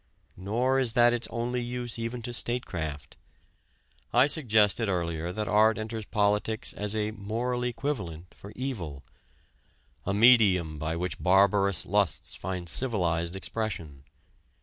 Nor is that its only use even to statecraft. I suggested earlier that art enters politics as a "moral equivalent" for evil, a medium by which barbarous lusts find civilized expression.